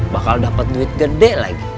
bakal dapat duit gede lagi